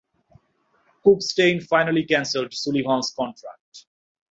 Kopfstein finally canceled Sullivan's contract.